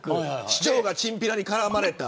市長がチンピラに絡まれた。